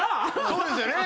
そうですよね？